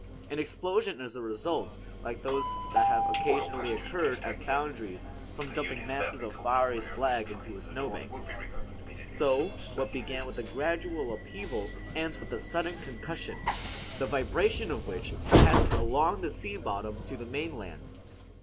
An explosion is the result, like those that have occasionally occurred at foundries from dumping masses of fiery slag into a snowbank. So what began with a gradual upheaval ends with a sudden concussion, the vibration of which passes along the sea bottom to the mainland.